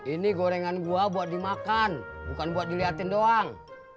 ini gorengan gua buat dimakan bukan buat diliatin doang